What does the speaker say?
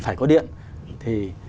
phải có điện thì